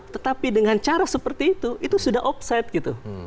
tetapi dengan cara seperti itu itu sudah offside gitu